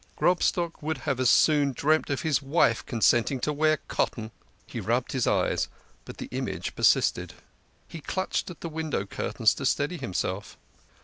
Grobstock would have as soon dreamt of his wife consenting to wear cotton. He rubbed his eyes, but the image persisted. He clutched at the window curtains to steady himself.